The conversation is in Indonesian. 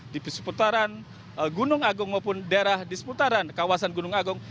di seputaran gunung agung maupun daerah di seputaran kawasan gunung agung